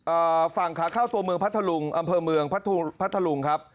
อ่าฝั่งขาเข้าตัวเมืองพัทธลุงอำเภอเมืองพัทธลุงครับ